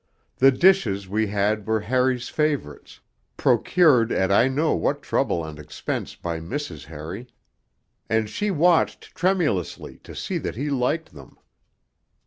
The dishes we had were Harry's favourites, procured at I know what trouble and expense by Mrs. Harry; and she watched tremulously to see that he liked them.